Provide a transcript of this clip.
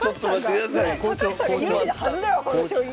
高橋さんが有利なはずだろこの将棋！